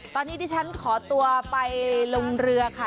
ตอนนี้ดิฉันขอตัวไปลงเรือค่ะ